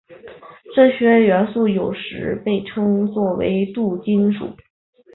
这些元素有时也被称作过渡金属。